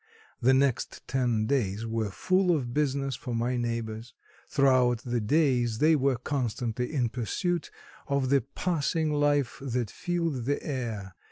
The next ten days were full of business for my neighbors. Throughout the days they were constantly in pursuit of the passing life that filled the air.